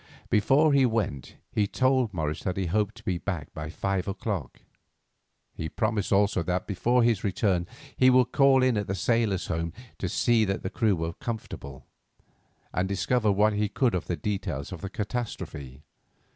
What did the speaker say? Before he went he told Morris that he hoped to be back by five o'clock. He promised also that before his return he would call in at the Sailor's Home to see that the crew were comfortable, and discover what he could of the details of the catastrophe.